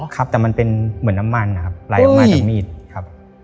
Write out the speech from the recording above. ครับแต่มันเป็นเหมือนน้ำมันนะครับไหลออกมาจากมีดครับ